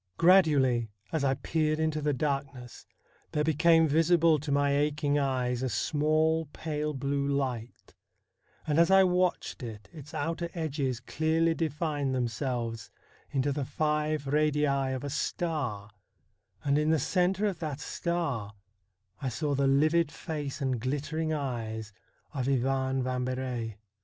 Gradually as I peered into the darkness there became visible to my aching eyes a small, pale blue light ; and as I watched it its outer edges clearly defined themselves into the five radii of a star, and in the centre of that star I saw the livid face and glittering eyes of Ivan Vambery.